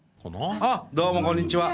あっどうもこんにちは。